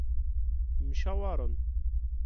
Mcawaren.